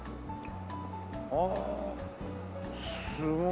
ああすごい。